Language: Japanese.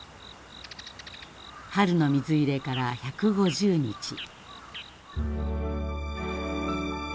春の水入れから１５０日。